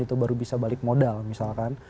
itu baru bisa balik modal misalkan